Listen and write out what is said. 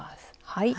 はい。